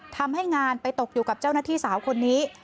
ทำให้งานไปตกอยู่กับเจ้าหน้าที่สาวคนนี้